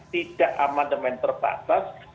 tidak amandemen terbatas